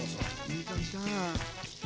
いい感じだ。